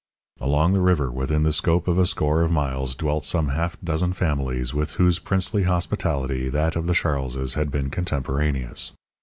Along the river within the scope of a score of miles dwelt some half dozen families with whose princely hospitality that of the Charleses had been contemporaneous.